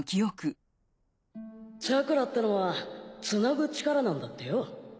チャクラってのはつなぐ力なんだってよ。